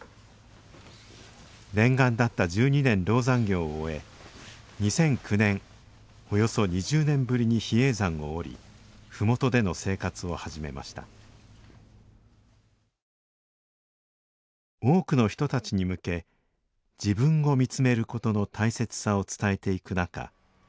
念願だった十二年籠山行を終え２００９年およそ２０年ぶりに比叡山を下り麓での生活を始めました多くの人たちに向け自分を見つめることの大切さを伝えていく中